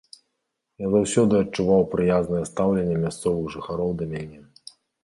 Я заўсёды адчуваў прыязнае стаўленне мясцовых жыхароў да мяне.